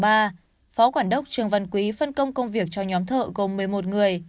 phó quản đốc trường văn quý phân công công việc cho nhóm thợ gồm một mươi một người